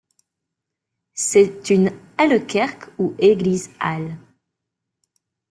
C'est une Hallekerque ou église-halle.